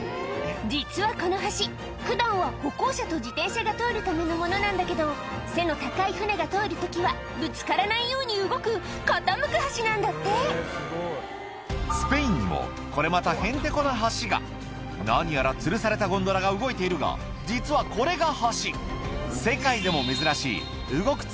実はこの橋普段は歩行者と自転車が通るためのものなんだけど背の高い船が通る時はぶつからないように動く傾く橋なんだってスペインにもこれまたへんてこな橋が何やらつるされたゴンドラが動いているが実はこれが橋世界でも珍しい動く